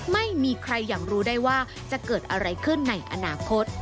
ไม่มีใครอยากรู้ได้ว่าจะเกิดอะไรขึ้นในอนาคต